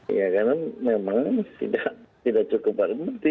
ya karena memang tidak cukup berhenti